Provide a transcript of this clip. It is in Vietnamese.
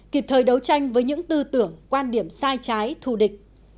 kịp thời đấu tranh với những tư tưởng quan điểm sai trái thù địch